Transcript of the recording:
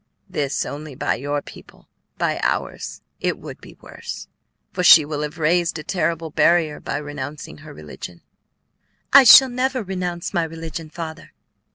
This only by your people; by ours it would be worse, for she will have raised a terrible barrier by renouncing her religion." "I shall never renounce my religion, Father."